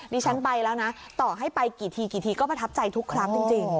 ดิฉันไปแล้วนะต่อให้ไปกี่ทีกี่ทีก็ประทับใจทุกครั้งจริง